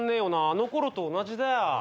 あのころと同じだよ。